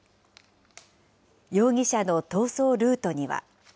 容疑者の逃走ルートには。